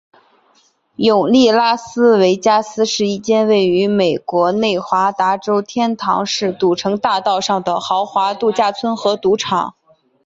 永利拉斯维加斯是一间位于美国内华达州天堂市赌城大道上的豪华度假村和赌场。